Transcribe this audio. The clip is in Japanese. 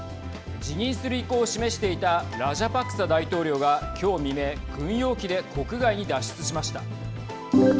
辞任する意向を示していたラジャパクサ大統領がきょう未明軍用機で国外に脱出しました。